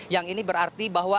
yang ini berarti bahwa